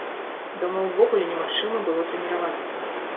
Дома ўвогуле немагчыма было трэніравацца.